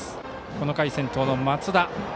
この回先頭の松田。